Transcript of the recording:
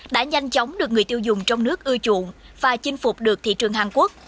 đã nhanh chóng được người tiêu dùng trong nước ưa chuộng và chinh phục được thị trường hàn quốc